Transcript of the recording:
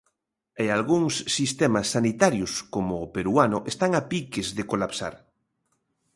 E algúns sistemas sanitarios, como o peruano, están a piques de colapsar.